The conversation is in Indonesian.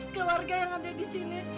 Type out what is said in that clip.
ke warga yang ada disini